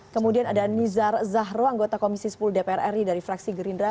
kemudian ada nizar zahro anggota komisi sepuluh dpr ri dari fraksi gerindra